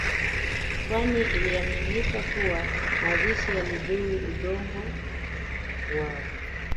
kwani iliaminika kuwa mazishi yalidhuru Udongo wao